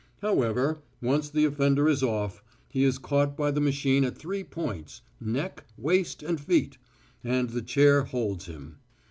However, once the offender is off, he is caught by the machine at three points, neck, waist and feet, and the chair holds him.